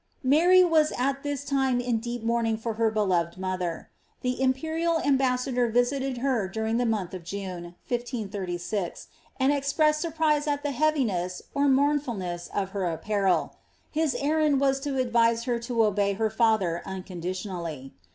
Mary was at this time in deep mourning for her beloTed mother. The imperial ambassador visited her during the month of Jane, I53<(, and expressed surprise at the ^ heavynes (mournfulnefls) of her apparel f his enand was to advise her to obey her father unconditional I v.